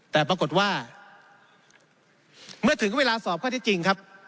แต่ปรากฏว่าเมื่อถึงเวลาสอบข้อที่จริงครับ